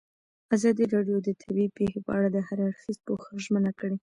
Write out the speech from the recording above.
ازادي راډیو د طبیعي پېښې په اړه د هر اړخیز پوښښ ژمنه کړې.